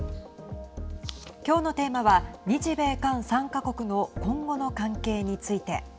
今日のテーマは日米韓３か国の今後の関係について。